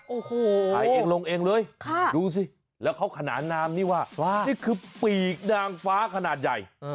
โอ้โหขายเองลงเองเลยดูสิแล้วเขาขนานนามนี่ว่านี่คือปีกนางฟ้าขนาดใหญ่